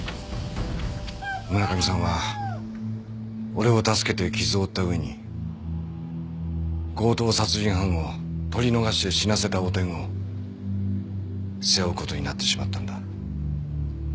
村上さんは俺を助けて傷を負った上に強盗殺人犯を取り逃して死なせた汚点を背負う事になってしまったんだ。